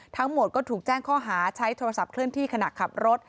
ทั้งหมดก็ถูกแจ้งข้อหาใช้โทรศัพท์เคลื่อนที่ขณะขับรถ